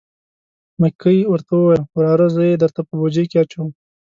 مکۍ ورته وویل: وراره زه یې درته په بوجۍ کې اچوم.